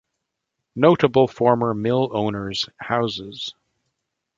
Notable former mill owners' houses.